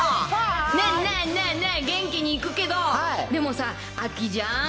ねえねえねえ、元気にいくけど、でもさ、秋じゃん。